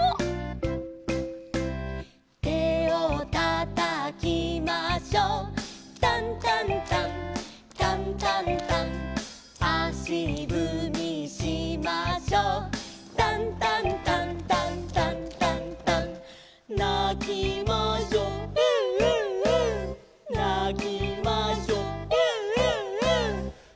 「手を叩きましょう」「タンタンタンタンタンタン」「足ぶみしましょう」「タンタンタンタンタンタンタン」「なきましょうエンエンエン」「なきましょうエンエンエン」